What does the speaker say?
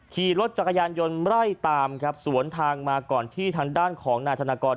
ขี่รถจักรยานยนต์ไล่ตามครับสวนทางมาก่อนที่ทางด้านของนายธนากร